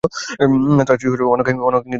তার স্ত্রী হলো আকাঙ্ক্ষার দেবী রতি।